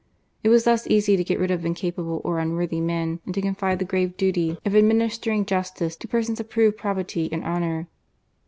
It was thus easy to get rid of incapable or unworthy men, and to confide the grave duty of administering justice to persons of proved probity and honour.